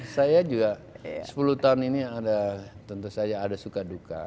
saya juga sepuluh tahun ini ada tentu saja ada suka duka